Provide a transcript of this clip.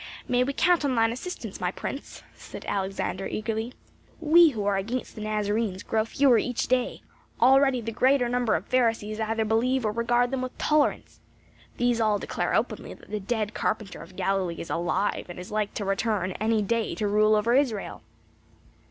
"May we count on thine assistance, my prince?" said Alexander eagerly. "We who are against the Nazarenes grow fewer each day; already the greater number of Pharisees either believe or regard them with tolerance. These all declare openly that the dead carpenter of Galilee is alive and is like to return any day to rule over Israel."